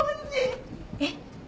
えっ？